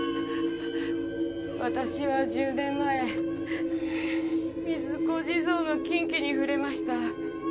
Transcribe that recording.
私は１０年前水子地蔵の禁忌に触れました。